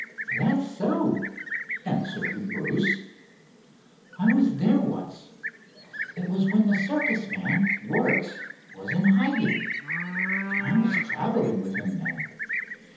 "That's so," answered Bruce. "I was there once. It was when the circus man, Wertz, was in hiding. I was traveling with him then.